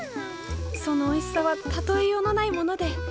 そのおいしさは例えようのないもので。